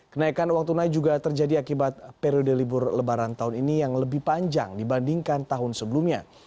kenaikan uang tunai juga terjadi akibat periode libur lebaran tahun ini yang lebih panjang dibandingkan tahun sebelumnya